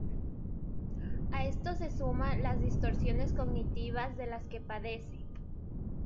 A esto se suman las distorsiones cognitivas de las que padecen.